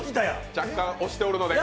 若干押しておるので。